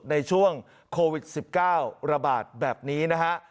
ในช่วงโควิด๑๙ระบาดแบบนี้นะฮะ